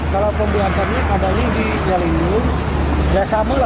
kalau pembeli antaranya ada di jalimu